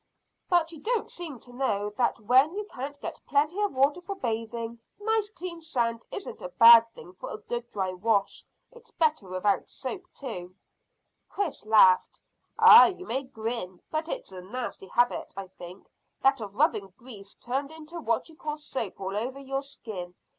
"But you don't seem to know that when you can't get plenty of water for bathing, nice clean sand isn't a bad thing for a good dry wash. It's better without soap too." Chris laughed. "Ah, you may grin, but it's a nasty habit, I think, that of rubbing grease turned into what you call soap all over your skin.